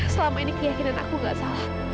selama ini keyakinan aku gak salah